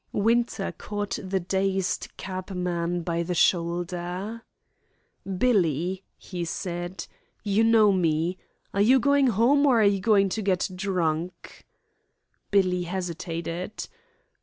Winter caught the dazed cabman by the shoulder. "Billy," he said, "you know me. Are you going home, or going to get drunk?" Billy hesitated.